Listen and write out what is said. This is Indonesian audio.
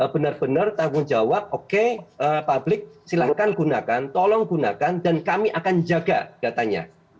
benar benar tanggung jawab oke publik silahkan gunakan tolong gunakan dan kami akan jaga datanya